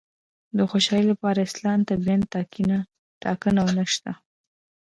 د خوشالي لپاره اصلاً طبیعي ټاکنه نشته.